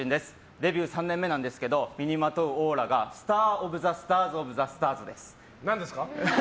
デビュー３年目なんですけど身にまとうオーラがスターオブザスターオブザスターです。